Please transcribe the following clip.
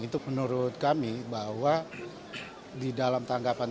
itu menurut kami bahwa di dalam tanggapan